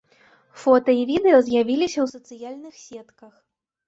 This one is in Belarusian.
Фота і відэа з'явілася ў сацыяльных сетках.